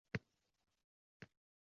Inson miyasida biologik organizm